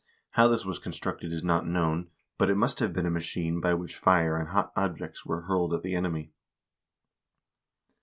How this was constructed is not known, but it must have been a machine by which fire and hot objects were hurled at the enemy.